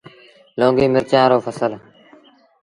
لونگيٚ مرچآݩ رو ڦسل